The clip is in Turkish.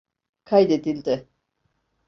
Kaydedildi.